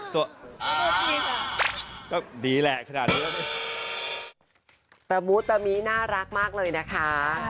ก็ดีแหละขนาดนี้ตะมูตะมิน่ารักมากเลยนะคะ